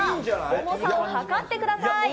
重さをはかってください。